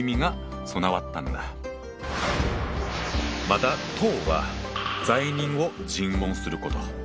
また「討」は罪人を尋問すること。